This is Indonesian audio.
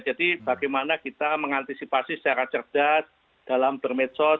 jadi bagaimana kita mengantisipasi secara cerdas dalam bermedsos